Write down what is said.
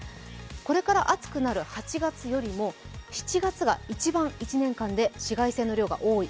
これから暑くなる８月よりも、７月が一番、１年間で紫外線の量が多い。